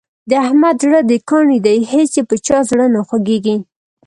د احمد زړه د کاڼي دی هېڅ یې په چا زړه نه خوږېږي.